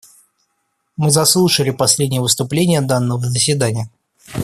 Мы заслушали последнее выступление данного заседания.